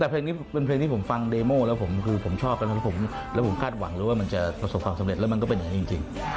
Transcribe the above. แต่เพลงนี้เป็นเพลงที่ผมฟังเดโม่แล้วผมคือผมชอบแล้วผมคาดหวังเลยว่ามันจะประสบความสำเร็จแล้วมันก็เป็นอย่างนี้จริง